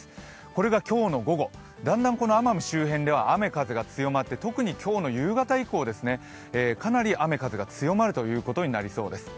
これが今日の午後、だんだんこの奄美周辺では雨・風が強まって特に今日の夕方以降、かなり雨・風が強まることになりそうです。